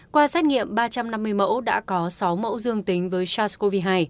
qua xét nghiệm ba trăm năm mươi mẫu đã có sáu mẫu dương tính với sars cov hai